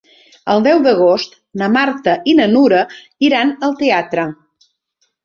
El deu d'agost na Marta i na Nura iran al teatre.